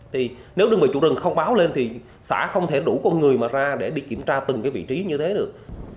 thì nếu đơn vị chủ rừng không báo lên thì xã không thể đủ con người mà ra để đi kiểm tra từng cái vị trí như thế được